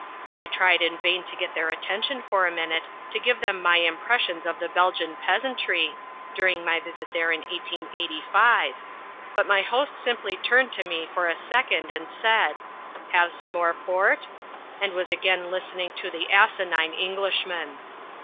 I tried in vain to get their attention for a minute to give them my impressions of the Belgian peasantry (during my visit there in 1885), but my host simply turned to me for a second and said, "Have some more port?" and was back again listening to the asinine Englishman.